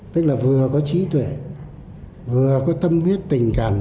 tức là vừa có trí tuệ vừa có tâm huyết tình cảm